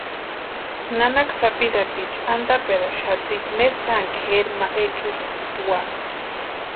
Nanaka sapirhatiecha antaperaxati ne sáni kʼeri ma echuskuta úa .